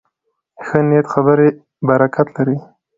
د ښه نیت خبرې برکت لري